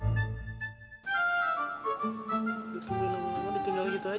ditinggal lama lama ditinggal gitu aja